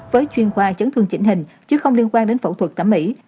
với chuyên khoa chấn thương chỉnh hình chứ không liên quan đến phẫu thuật thẩm mỹ